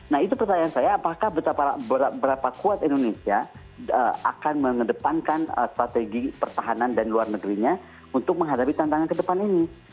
nah itu pertanyaan saya apakah berapa kuat indonesia akan mengedepankan strategi pertahanan dan luar negerinya untuk menghadapi tantangan ke depan ini